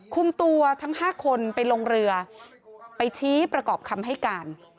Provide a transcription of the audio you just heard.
คุมตัวทั้ง๕คนไปลงเรือไปชี้ประกอบคำให้การ